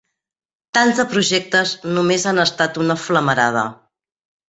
Tants de projectes només han estat una flamarada.